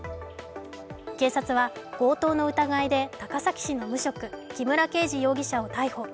警察は、強盗の疑いで高崎市の無職木村恵治容疑者を逮捕。